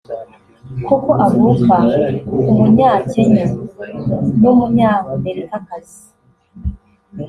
kuko avuka ku munyakenya n’umunyamerikakazi